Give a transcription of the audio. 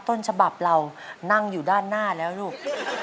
ต้นฉบับเรานั่งอยู่ด้านหน้าแล้วลูก